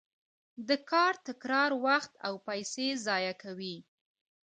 د کار تکرار وخت او پیسې ضایع کوي.